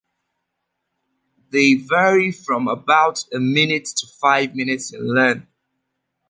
They vary from about a minute to five minutes in length.